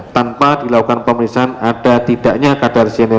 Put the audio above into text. tanpa dilakukan pemeriksaan ada tidaknya kadar siner